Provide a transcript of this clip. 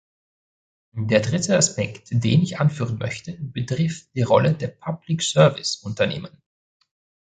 Der dritte Aspekt, den ich anführen möchte, betrifft die Rolle der public service -Unternehmen.